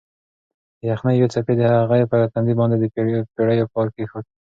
د یخنۍ یوې څپې د هغې پر تندي باندې د پېړیو بار کېښود.